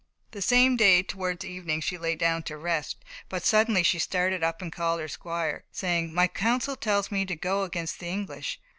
The same day, towards evening she lay down to rest, but suddenly she started up and called her squire, saying, "My counsel tells me to go against the English."